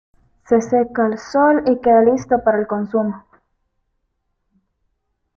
Se seca al sol y queda listo para su consumo.